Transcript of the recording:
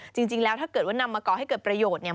จริงแล้วถ้าเกิดว่านำมาก่อให้เกิดประโยชน์เนี่ย